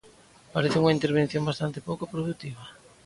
Paréceme unha intervención bastante pouco produtiva.